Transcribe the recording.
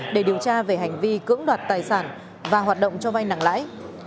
để điều tra về hành vi cưỡng đoạt tài sản và hoạt động cho vay nặng lãi